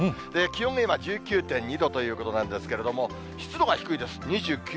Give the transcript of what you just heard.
気温が今、１９．２度ということなんですけれども、湿度が低いです。